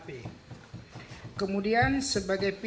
tentang pemberantasan tindak pidana korupsi